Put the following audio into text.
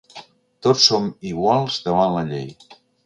“Tots som iguals davant la llei”.